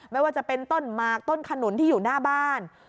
ไม่ว่าจะเป็นต้นหมากต้นขนุนที่อยู่หน้าบ้าน